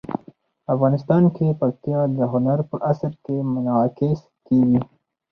افغانستان کې پکتیا د هنر په اثار کې منعکس کېږي.